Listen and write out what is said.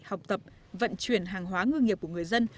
học tập vận chuyển hàng hóa ngư nghiệp của người dân